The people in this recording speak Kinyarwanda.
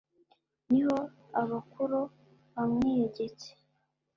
niho abakuro bamwiyegetse